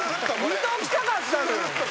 見ておきたかったのよ。